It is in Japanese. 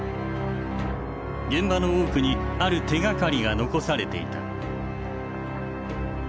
現場の多くにある手がかりが残されていた。